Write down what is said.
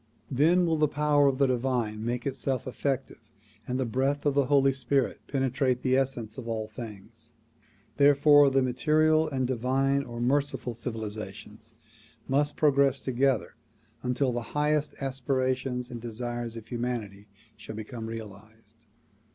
Then will the power of the divine make itself effective and the breath of the Holy Spirit penetrate the essence of all things. Therefore the material and the divine or merciful civilizations must progress together until the highest as pirations and desires of humanity shall become realized.